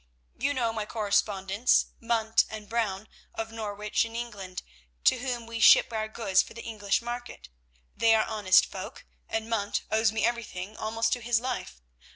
You know my correspondents, Munt and Brown, of Norwich, in England, to whom we ship our goods for the English market. They are honest folk, and Munt owes me everything, almost to his life.